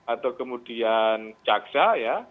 atau kemudian caksa ya